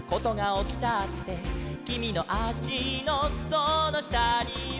「きみのあしのそのしたには」